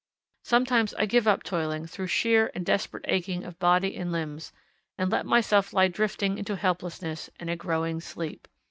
Sometimes I give up toiling through sheer and desperate aching of body and limbs, and let myself lie drifting into helplessness and a growing sleep.